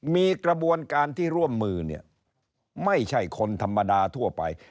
มีกระบวนการที่ร่วมมือเนี่ยไม่ใช่คนธรรมดาทั่วไป